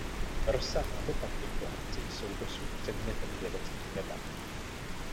Rozsah a dopad těchto akcí jsou dosud předmětem vědeckých debat.